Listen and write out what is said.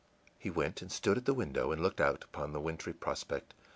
He went and stood at the window and looked out upon the wintry prospect.